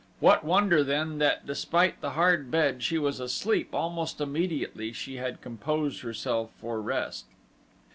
What wonder then that despite the hard bed, she was asleep almost immediately she had composed herself for rest.